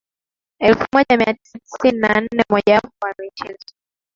Elfu moja mia tisa tisini na nane Mmojawapo wa michezo